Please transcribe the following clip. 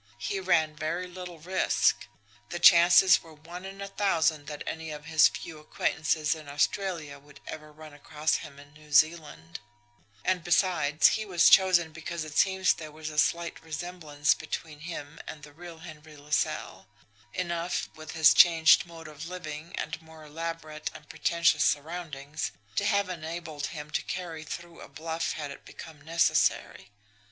He ran very little risk. The chances were one in a thousand that any of his few acquaintances in Australia would ever run across him in New Zealand; and besides, he was chosen because it seems there was a slight resemblance between him and the real Henry LaSalle enough, with his changed mode of living and more elaborate and pretentious surroundings, to have enabled him to carry through a bluff had it become necessary.